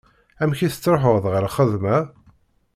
Amek i tettruḥuḍ ɣer lxedma?